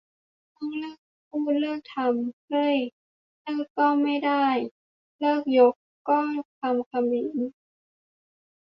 ต้องเลิกพูดเลิกทำ เฮ้ย เลิกก็ไม่ได้ 'เลิก' ยก ก็คำเขมร !